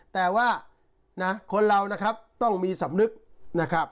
แต่ว่านะคนเรานะครับต้องมีสำนึกนะครับ